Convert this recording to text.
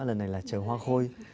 lần này là chờ hoa khôi